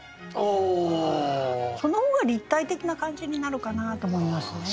その方が立体的な感じになるかなと思いますね。